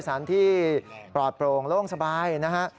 สถานที่ปลอดโปร่งโล่งสบายนะฮะ